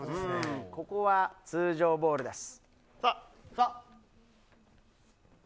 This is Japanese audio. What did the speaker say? ここは通常ボールです。